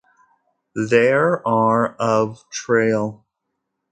There are of trail.